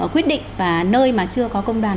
quyết định và nơi mà chưa có công đoàn